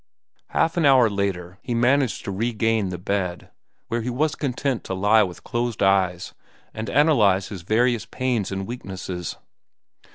Half an hour later he managed to regain the bed, where he was content to lie with closed eyes and analyze his various pains and weaknesses.